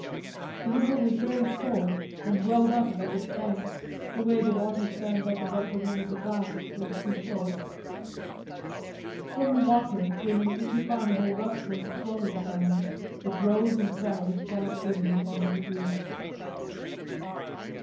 The river was very full, and welled up above its banks, the way the water stands up above the rim of a glass filled too full. From the water came an indefinable rustling, flowing sound that rose and fell with quiet rhythm in Andrews's ears.